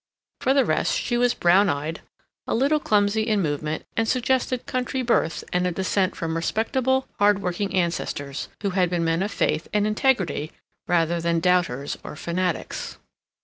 For the rest she was brown eyed, a little clumsy in movement, and suggested country birth and a descent from respectable hard working ancestors, who had been men of faith and integrity rather than doubters or fanatics.